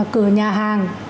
cửa nhà hàng